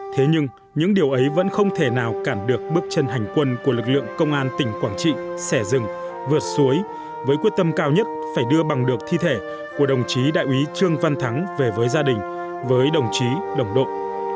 thế nhưng những điều ấy vẫn không thể nào cản được bước chân hành quân của lực lượng công an tỉnh quảng trị xẻ rừng vượt suối với quyết tâm cao nhất phải đưa bằng được thi thể của đồng chí đại úy trương văn thắng về với gia đình với đồng chí đồng đội